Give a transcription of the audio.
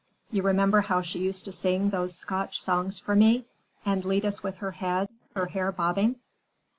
You remember how she used to sing those Scotch songs for me, and lead us with her head, her hair bobbing?"